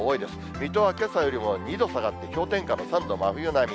水戸はけさよりも２度下がって、氷点下の３度、真冬並み。